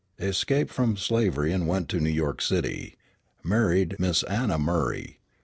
Escaped from slavery and went to New York City. Married Miss Anna Murray.